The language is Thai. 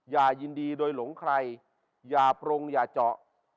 อย่ายินดีโดยหลงใครอย่าปรงอย่าเจาะ